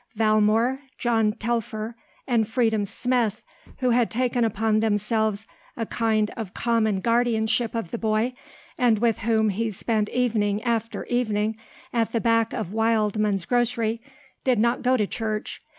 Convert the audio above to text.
Valmore, John Telfer, and Freedom Smith, who had taken upon themselves a kind of common guardianship of the boy and with whom he spent evening after evening at the back of Wildman's grocery, did not go to church.